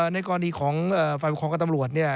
ในตอนดีของฝ่ายปกครองกับตำรวจเนี่ย